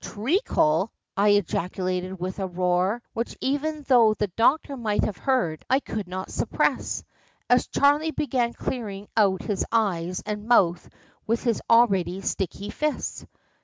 "Treacle!" I ejaculated with a roar, which even though the doctor might have heard I could not suppress, as Charley began clearing out his eyes and mouth with his already sticky fists.